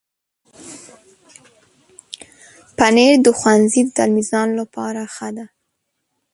پنېر د ښوونځي د تلمیذانو لپاره ښه ده.